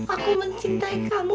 aku mencintai kamu boy